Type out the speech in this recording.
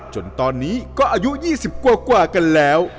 จนตอนนี้ก็อายุ๒๐กว่ากันแล้ว